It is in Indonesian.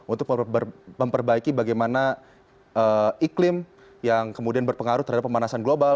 untuk memperbaiki bagaimana iklim yang kemudian berpengaruh terhadap pemanasan global